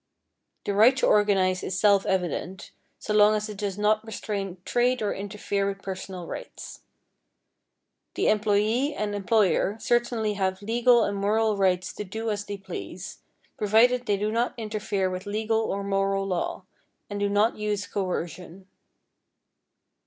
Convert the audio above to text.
The right to organize is self evident, so long as it does not restrain trade or interfere with personal rights. The employee and employer certainly have legal and moral rights to do as they please, provided they do not interfere with legal or moral law, and do not use coercion.